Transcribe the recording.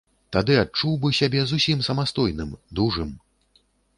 Тады адчуў бы сябе зусім самастойным, дужым.